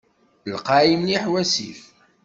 Lqay mliḥ wasif.